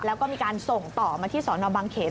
แล้วก็มีการส่งต่อมาที่สอนอบังเขน